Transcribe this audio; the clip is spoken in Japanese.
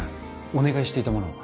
お願いしていたものは？